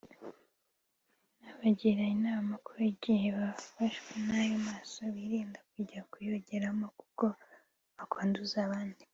nabagira inama ko igihe bafashwe n’aya maso birinda kujya kuyogeramo kuko bakwanduza abandi